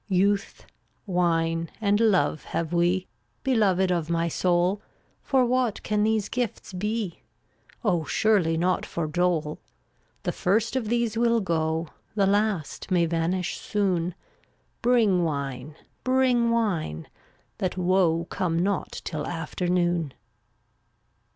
^2 1 Youth, wine and love have we, Beloved of my soul, For what can these gifts be? Oh, surely not for dole. The first of these will go, The last may vanish soon; Bring wine, bring wine, that woe Come not till afternoon.